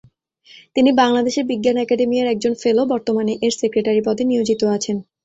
তিনি বাংলাদেশ বিজ্ঞান একাডেমি এর একজন ফেলো, এবং বর্তমানে এর সেক্রেটারী পদে নিয়োজিত আছেন।